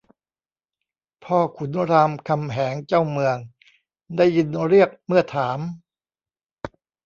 พ่อขุนรามคำแหงเจ้าเมืองได้ยินเรียกเมื่อถาม